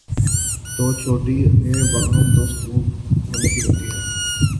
تو چھوٹی عصبیتیں باہم دست وگریباں ہونے لگتی ہیں۔